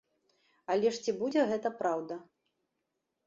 Але ж ці будзе гэта праўда?